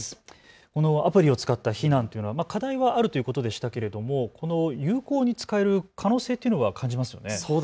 このアプリを使った避難というのは課題はあるということでしたけれども有効に使える可能性というのは感じますよね。